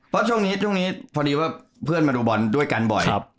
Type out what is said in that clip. เพราะช่วงนี้ช่วงนี้พอดีว่าเพื่อนมาดูบอลด้วยกันบ่อย